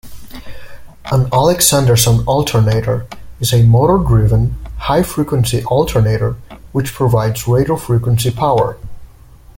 An Alexanderson alternator is a motor-driven, high-frequency alternator which provides radio frequency power.